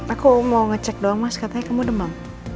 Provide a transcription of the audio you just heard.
aku mau ngecek doang mas katanya kamu demam